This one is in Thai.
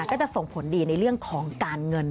ก็จะส่งผลดีในเรื่องของการเงิน